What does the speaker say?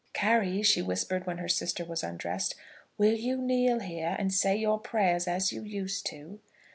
"Carry," she whispered when her sister was undressed, "will you kneel here and say your prayers as you used to?"